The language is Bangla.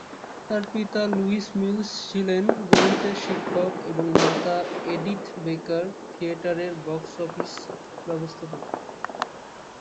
তার পিতা লুইস মিলস ছিলেন গণিতের শিক্ষক এবং মাতা এডিথ বেকার থিয়েটারের বক্স অফিস ব্যবস্থাপক।